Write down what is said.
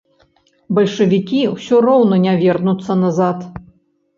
Бальшавікі ўсё роўна не вернуцца назад.